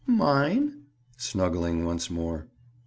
"Mine?" Snuggling once more.